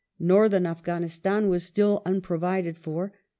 Northern Afghanis tin was still unprovided for.